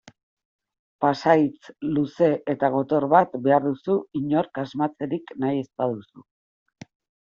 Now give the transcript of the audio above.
Pasahitz luze eta gotor bat behar duzu inork asmatzerik nahi ez baduzu.